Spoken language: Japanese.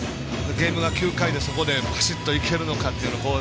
ゲームが９回で、そこでバシッといけるのか